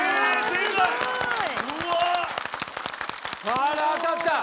すごい。